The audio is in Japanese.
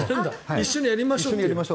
一緒にやりましょうと。